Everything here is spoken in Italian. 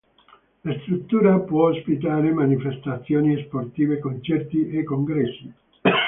La struttura può ospitare manifestazioni sportive, concerti e congressi.